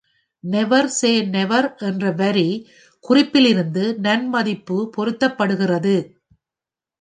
"Never say நெவர்"என்ற வரி குறிப்பிலிருந்து நன்மதிப்பு பொருத்தப்படுகிறது.